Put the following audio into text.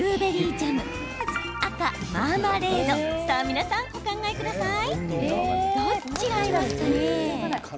さあ、皆さんお考えください。